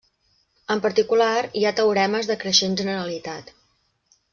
En particular, hi ha teoremes de creixent generalitat.